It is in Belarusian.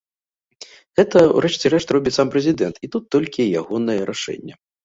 Гэта ў рэшце рэшт робіць сам прэзідэнт, і тут толькі ягонае рашэнне.